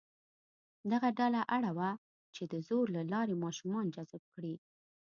دغه ډله اړ وه چې د زور له لارې ماشومان جذب کړي.